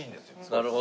なるほど。